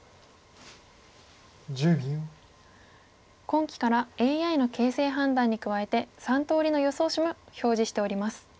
今期からＡＩの形勢判断に加えて３通りの予想手も表示しております。